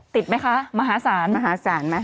ติดไหมคะมหาศาล